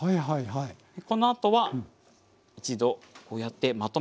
このあとは一度こうやってまとめます。